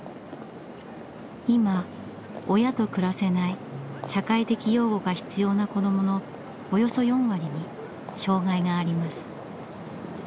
今親と暮らせない社会的養護が必要な子どものおよそ４割に障害があります。